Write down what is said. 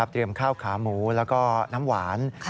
เตรียมข้าวขาหมูแล้วก็น้ำหวาน